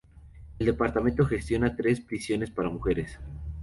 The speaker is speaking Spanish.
El departamento gestiona tres prisiones para mujeres.